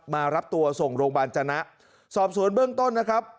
มารับตัวส่งโรงพยาบาลจนะสอบสวนเบื้องต้นนะครับ